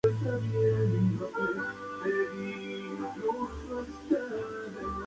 La dirección del partido se sitúa en la Calle Tetuán de la localidad.